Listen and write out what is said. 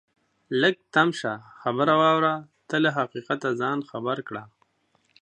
لږ تم شه خبره واوره ته له حقیقته ځان خبر کړه